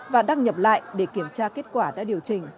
và đăng nhập lại để kiểm tra kết quả đã điều chỉnh